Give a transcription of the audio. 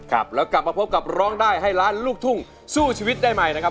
ครับแล้วกลับมาพบกับร้องได้ให้ล้านลูกทุ่งสู้ชีวิตได้ใหม่นะครับ